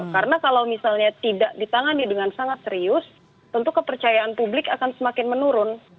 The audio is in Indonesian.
karena kalau misalnya tidak ditangani dengan sangat serius tentu kepercayaan publik akan semakin menurun